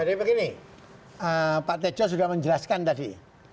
jadi begini pak teco sudah menjelaskan tadi